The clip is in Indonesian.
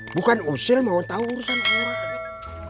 bukan usil mau tahu urusan orang